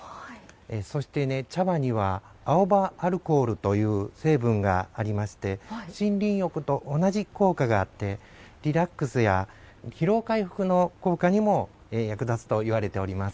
そして、茶葉には青葉アルコールという成分がありまして森林浴と同じ効果があってリラックスや疲労回復の効果にも役立つといわれております。